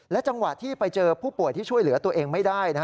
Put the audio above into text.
จังหวะที่ไปเจอผู้ป่วยที่ช่วยเหลือตัวเองไม่ได้